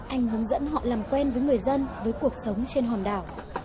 anh hướng dẫn họ làm quen với người dân với cuộc sống trên hòn đảo